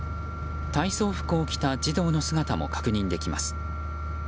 体操服を着た児童の姿も確認できます。